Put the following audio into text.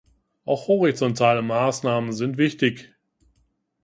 Auch horizontale Maßnahmen sind wichtig.